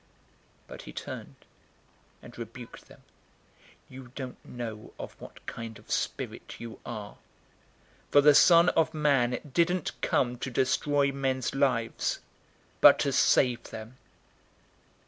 009:055 But he turned and rebuked them, "You don't know of what kind of spirit you are. 009:056 For the Son of Man didn't come to destroy men's lives, but to save them."